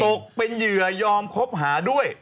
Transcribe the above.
ตกเป็นเหยื่อยอมคบหาด้วย